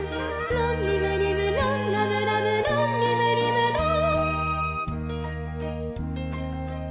「ロンリムリムロンラムラムロンリムリムロン」